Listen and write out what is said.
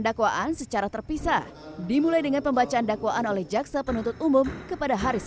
dakwaan secara terpisah dimulai dengan pembacaan dakwaan oleh jaksa penuntut umum kepada haris